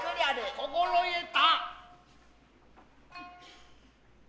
心得た。